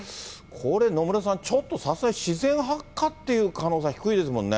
これ、野村さん、ちょっとさすがに自然発火という可能性は低いですもんね。